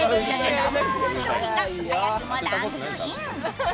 ナンバーワン商品が早くもランクイン。